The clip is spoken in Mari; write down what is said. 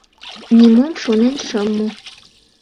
Нимом шонен шым му.